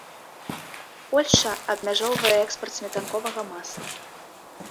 Польшча абмяжоўвае экспарт сметанковага масла.